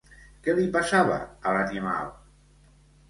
Què li passava a l'animal?